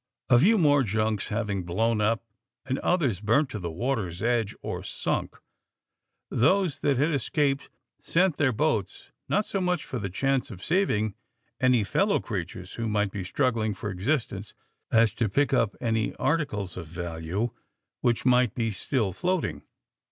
A few more junks having blown up, and others burnt to the water's edge or sunk, those that had escaped sent their boats, not so much for the chance of saving any fellow creatures who might be struggling for existence, as to pick up any articles of value which might be still floating.